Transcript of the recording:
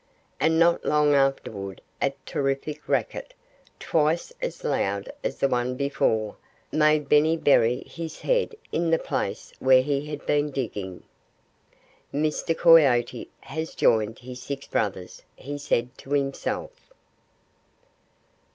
And not long afterward a terrific racket twice as loud as the one before made Benny bury his head in the place where he had been digging. "Mr. Coyote has joined his six brothers," he said to himself.